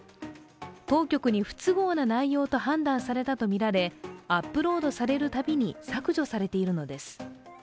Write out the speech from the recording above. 当局に不都合な内容と判断されたとみられアップロードされるたびに削除されているのです。